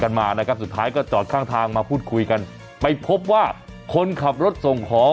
รัฐบาลขอให้ประชาชนมั่นใจว่าเศรษฐกิจไทยช่วงใตรมาตรสุดท้ายจะปรับตัวดีขึ้น